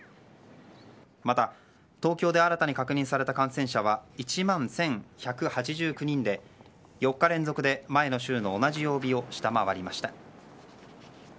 また、東京で新たに確認された感染者は１万１１８９人で４日連続で前の週の同じ曜日を下回りました。